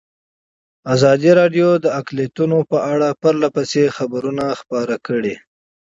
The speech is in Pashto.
ازادي راډیو د اقلیتونه په اړه پرله پسې خبرونه خپاره کړي.